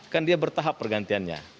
kan dia bertahap pergantiannya